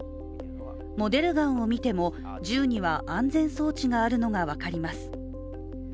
モデルガンを見ても銃には安全装置があるのが分かります。